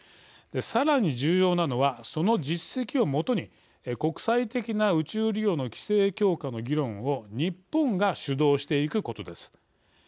さらに重要なのはその実績を基に国際的な宇宙利用の規制強化の議論を日本が主導していくことです。